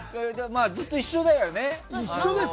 ずっと一緒だよね？